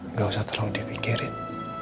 nggak usah terlalu dipikirin